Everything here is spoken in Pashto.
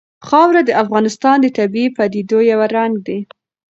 خاوره د افغانستان د طبیعي پدیدو یو رنګ دی.